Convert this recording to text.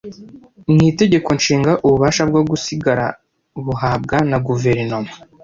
Mu Itegeko Nshinga, ububasha bwo gusigara buhabwa na guverinoma